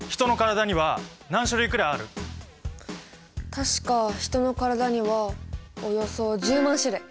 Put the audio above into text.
確かヒトの体にはおよそ１０万種類！